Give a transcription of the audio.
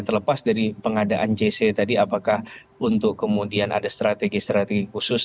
terlepas dari pengadaan jc tadi apakah untuk kemudian ada strategi strategi khusus